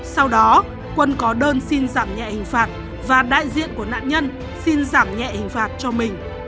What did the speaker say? sau đó quân có đơn xin giảm nhẹ hình phạt và đại diện của nạn nhân xin giảm nhẹ hình phạt cho mình